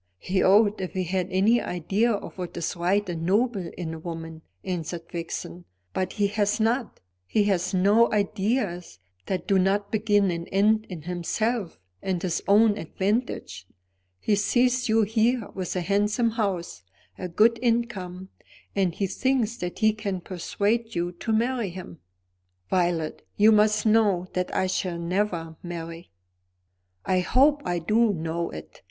"He ought, if he had any idea of what is right and noble in a woman," answered Vixen. "But he has not. He has no ideas that do not begin and end in himself and his own advantage. He sees you here with a handsome house, a good income, and he thinks that he can persuade you to marry him." "Violet, you must know that I shall never marry." "I hope I do know it.